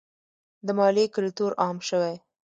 د مالیې کلتور عام شوی؟